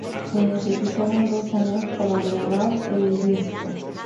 Se necesitaron dos años para grabar el disco.